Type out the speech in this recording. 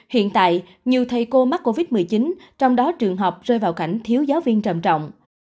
hiện tại nhiều thầy cô mắc covid một mươi chín trong đó trường học rơi vào cảnh thiếu giáo viên trầm trọng